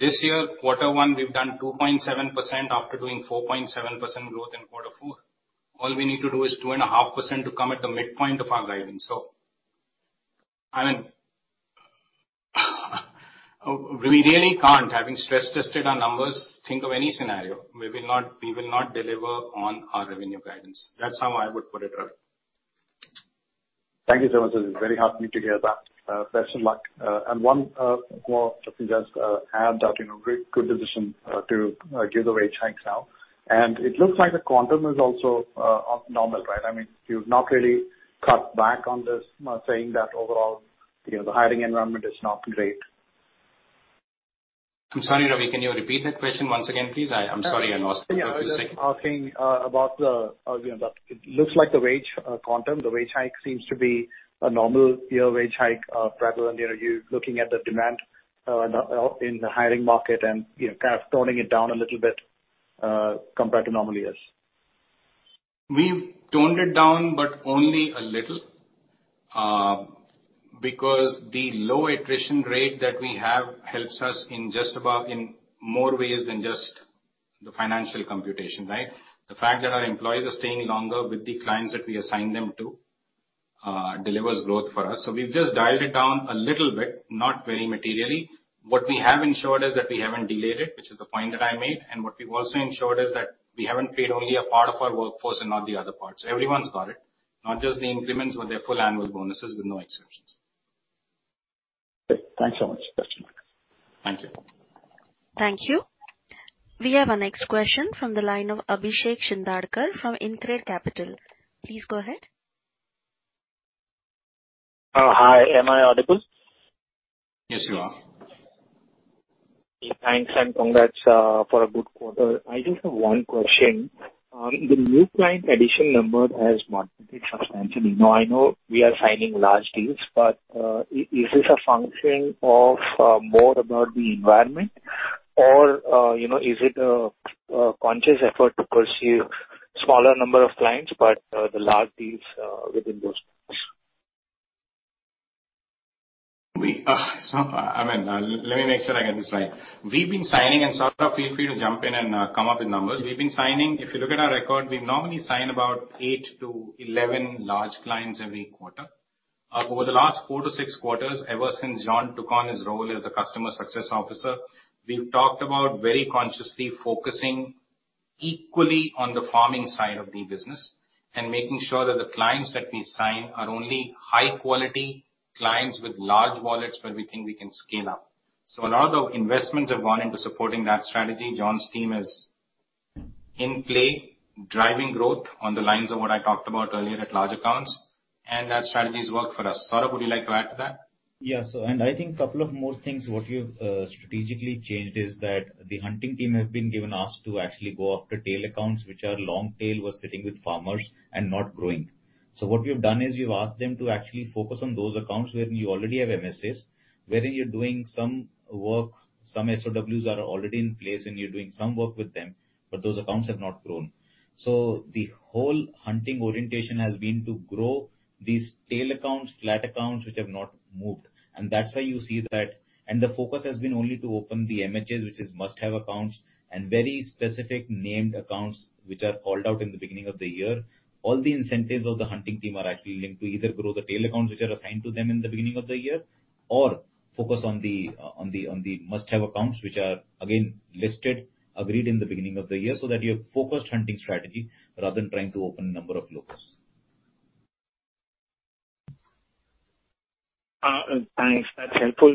This year, Q1, we've done 2.7% after doing 4.7% growth in Q4. All we need to do is 2.5% to come at the midpoint of our guidance. I mean, we really can't, having stress-tested our numbers, think of any scenario. We will not deliver on our revenue guidance. That's how I would put it, Ravi. Thank you so much. It's very heartening to hear that. best of luck. and one more just add that, you know, very good decision to give the wage hikes now. It looks like the quantum is also off normal, right? I mean, you've not really cut back on this, not saying that overall, you know, the hiring environment is not great. I'm sorry, Ravi, can you repeat that question once again, please? I'm sorry, I lost you for a second. Asking about the, you know, that it looks like the wage quantum, the wage hike seems to be a normal year wage hike, prevalent. You know, you're looking at the demand in the in the hiring market and, you know, kind of toning it down a little bit compared to normal years. We've toned it down, but only a little, because the low attrition rate that we have helps us in just about in more ways than just the financial computation, right? The fact that our employees are staying longer with the clients that we assign them to, delivers growth for us. We've just dialed it down a little bit, not very materially. What we have ensured is that we haven't delayed it, which is the point that I made. What we've also ensured is that we haven't paid only a part of our workforce and not the other parts. Everyone's got it, not just the increments, but their full annual bonuses with no exceptions. Great. Thanks so much. Best of luck. Thank you. Thank you. We have our next question from the line of Abhishek Shindadkar from InCred Capital. Please go ahead. Hi, am I audible? Yes, you are. Thanks, and congrats for a good quarter. I just have one question. The new client addition number has multiplied substantially. I know we are signing large deals, but is this a function of more about the environment? You know, is it a conscious effort to pursue smaller number of clients, but the large deals within those clients? We, so, I mean, let me make sure I get this right. We've been signing. Saurabh, feel free to jump in and come up with numbers. We've been signing. If you look at our record, we've normally signed about 8-11 large clients every quarter. Over the last four-six quarters, ever since John took on his role as the Customer Success Officer, we've talked about very consciously focusing equally on the farming side of the business, and making sure that the clients that we sign are only high-quality clients with large wallets where we think we can scale up. A lot of investments have gone into supporting that strategy. John's team is in play, driving growth on the lines of what I talked about earlier at large accounts, and that strategy has worked for us. Saurabh, would you like to add to that? Yes, I think couple of more things, what we've strategically changed is that the hunting team have been given us to actually go after tail accounts, which are long tail, were sitting with farmers and not growing. What we have done is, we've asked them to actually focus on those accounts where you already have MSS, wherein you're doing some work, some SOWs are already in place, and you're doing some work with them, but those accounts have not grown. The whole hunting orientation has been to grow these tail accounts, flat accounts which have not grown.... moved, and that's why you see that. The focus has been only to open the MHS, which is must-have accounts, and very specific named accounts which are called out in the beginning of the year. All the incentives of the hunting team are actually linked to either grow the tail accounts which are assigned to them in the beginning of the year, or focus on the must-have accounts, which are again listed, agreed in the beginning of the year, so that you have focused hunting strategy rather than trying to open number of locals. Thanks. That's helpful.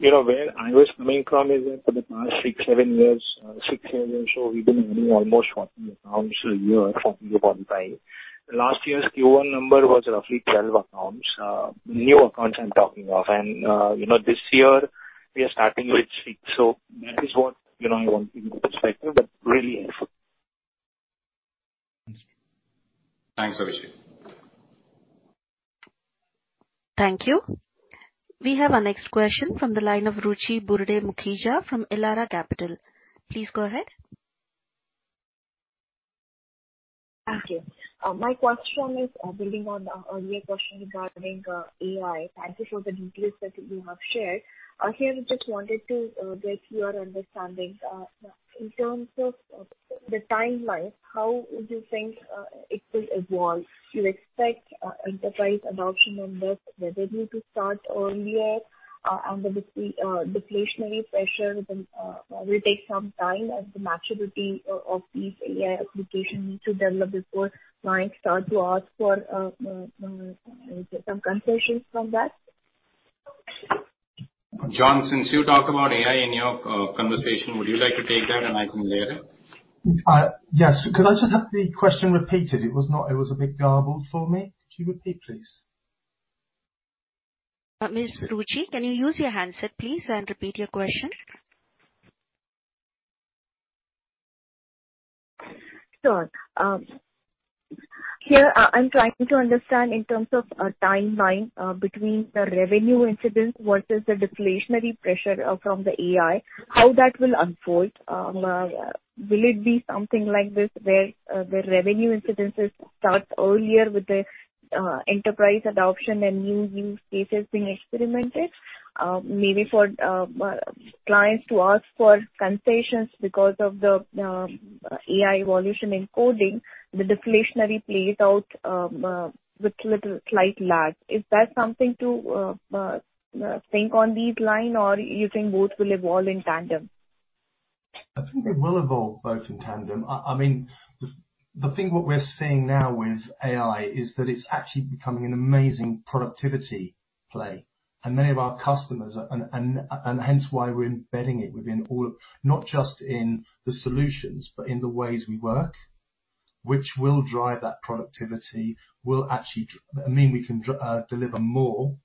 You know, where I was coming from is that for the past six, seven years, six years or so, we've been adding almost 40 accounts a year for [Inaudible. Last year's Q1 number was roughly 12 accounts. New accounts I'm talking of, and, you know, this year we are starting with six. That is what, you know, I want perspective, but really helpful. Thanks, Abhishek. Thank you. We have our next question from the line of Ruchi Burde Mukhija from Elara Capital. Please go ahead. Thank you. My question is, building on the earlier question regarding AI. Thank you for the details that you have shared. Here I just wanted to get your understanding. In terms of the timeline, how would you think it will evolve? Do you expect enterprise adoption and this revenue to start earlier, and the deflationary pressure then will take some time and the maturity of these AI applications to develop before clients start to ask for some concessions from that? John, since you talked about AI in your conversation, would you like to take that and I can layer it? Yes. Could I just have the question repeated? It was a bit garbled for me. Could you repeat, please? Ms. Ruchi, can you use your handset, please, and repeat your question? Sure. Here, I'm trying to understand in terms of a timeline between the revenue incidence versus the deflationary pressure from the AI, how that will unfold. Will it be something like this, where the revenue incidences starts earlier with the enterprise adoption and new cases being experimented? Maybe for clients to ask for concessions because of the AI evolution in coding, the deflationary plays out with little slight lag. Is that something to think on these line, or you think both will evolve in tandem? I think they will evolve both in tandem. I mean, the thing what we're seeing now with AI is that it's actually becoming an amazing productivity play for many of our customers, and hence why we're embedding it within all, not just in the solutions, but in the ways we work, which will drive that productivity, will actually, I mean, we can deliver more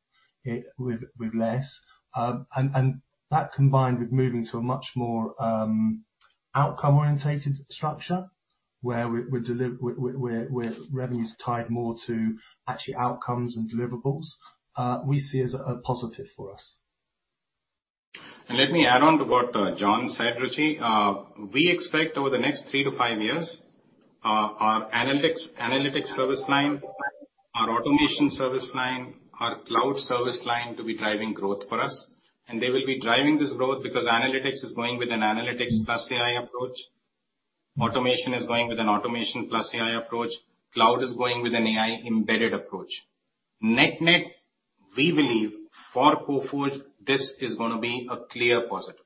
it, with less. That combined with moving to a much more outcome-oriented structure, where we're deliver, where revenue is tied more to actually outcomes and deliverables, we see as a positive for us. Let me add on to what John said, Ruchi. We expect over the next three to five years, our analytics service line, our automation service line, our cloud service line, to be driving growth for us. They will be driving this growth because analytics is going with an analytics plus AI approach, automation is going with an automation plus AI approach, cloud is going with an AI-embedded approach. Net-net, we believe for Coforge, this is going to be a clear positive.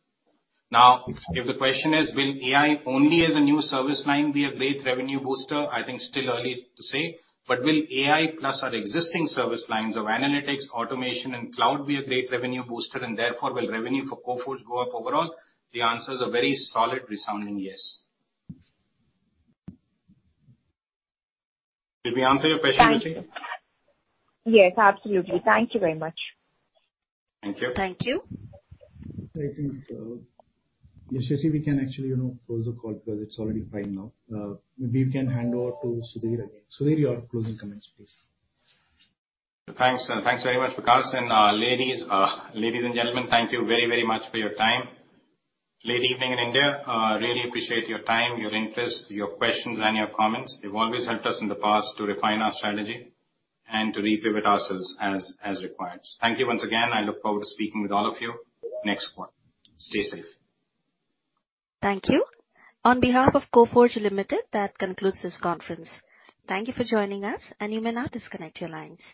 Now, if the question is, will AI only as a new service line be a great revenue booster? I think still early to say. Will AI plus our existing service lines of analytics, automation, and cloud be a great revenue booster, and therefore will revenue for Coforge go up overall? The answer is a very solid, resounding yes. Did we answer your question, Ruchi? Yes, absolutely. Thank you very much. Thank you. Thank you. I think, yes, Jesse, we can actually, you know, close the call because it's already 5:00 P.M. now. Maybe you can hand over to Sudhir again. Sudhir, your closing comments, please. Thanks. Thanks very much, Vikas. Ladies and gentlemen, thank you very, very much for your time. Late evening in India. Really appreciate your time, your interest, your questions, and your comments. You've always helped us in the past to refine our strategy and to repivot ourselves as required. Thank you once again. I look forward to speaking with all of you next quarter. Stay safe. Thank you. On behalf of Coforge Limited, that concludes this conference. Thank you for joining us, and you may now disconnect your lines.